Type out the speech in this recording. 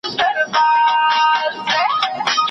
نه طبیب سوای له مرګي را ګرځولای